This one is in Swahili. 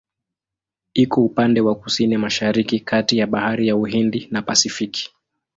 Iko upande wa Kusini-Mashariki kati ya Bahari ya Uhindi na Pasifiki.